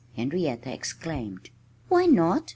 Henrietta exclaimed. "Why not?"